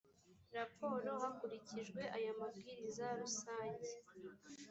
raporo hakurikijwe aya mabwiriza rusange